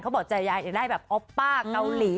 เขาบอกว่ายังได้แบบออปป้าก่อนหรือกาวหลี